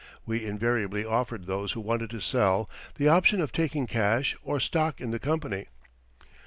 We invariably offered those who wanted to sell the option of taking cash or stock in the company.